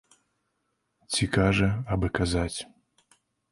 Ці кажа, абы казаць.